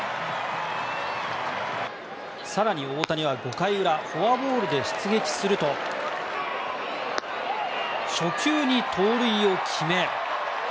更に大谷は５回裏フォアボールで出塁すると初球に盗塁を決め。